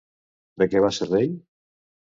De què va ser rei?